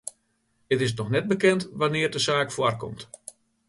It is noch net bekend wannear't de saak foarkomt.